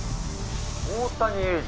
大谷英治